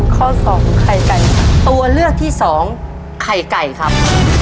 ข้อสองไข่ไก่ตัวเลือกที่สองไข่ไก่ครับ